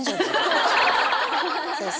先生。